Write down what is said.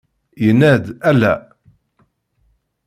Yenna-d: ala!